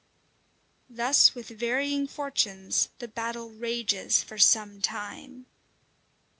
Thus with varying fortunes the battle rages for some time.